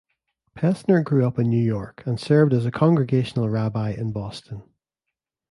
Pesner grew up in New York, and served as a congregational rabbi in Boston.